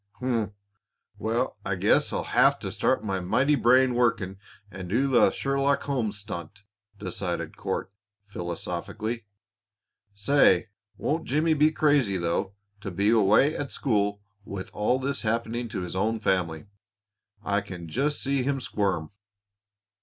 "Humph! Well, I guess I'll have to start my mighty brain working and do the Sherlock Holmes stunt," decided Court, philosophically. "Say! Won't Jimmy be crazy, though, to be away at school with all this happening to his own family. I can just see him squirm!"